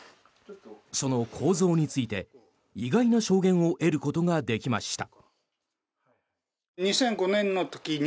その構造について意外な証言を得ることができました。